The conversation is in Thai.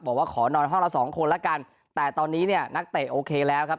บอกว่าขอนอนห้องละสองคนแล้วกันแต่ตอนนี้เนี่ยนักเตะโอเคแล้วครับ